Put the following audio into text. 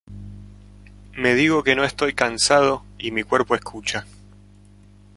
Me digo que no estoy cansado y mi cuerpo escucha.